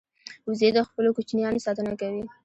وزې د خپلو کوچنیانو ساتنه کوي